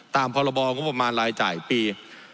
ตามพบงลปี๒๕๖๕